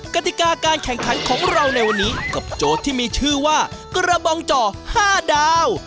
กติกาการแข่งขันของเราในวันนี้กับโจทย์ที่มีชื่อว่ากระบองจ่อ๕ดาว